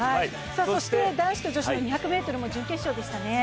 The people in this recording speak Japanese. そして男子と女子の２００ｍも準決勝でしたね。